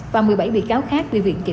và một mươi bảy bị cáo khác